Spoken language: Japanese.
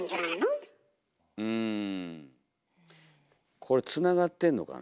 これつながってんのかな。